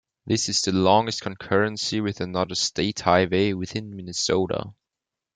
This is the longest concurrency with another state highway within Minnesota.